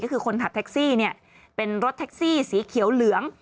ก็คือคนขับแท็กซี่เนี่ยเป็นรถแท็กซี่สีเขียวเหลือง